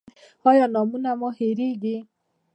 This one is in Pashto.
ایا نومونه مو هیریږي؟